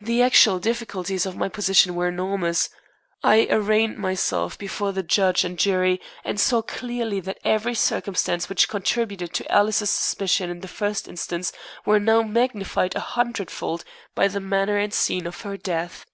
The actual difficulties of my position were enormous. I arraigned myself before the judge and jury, and saw clearly that every circumstance which contributed to Alice's suspicions in the first instance were now magnified a hundred fold by the manner and scene of her death.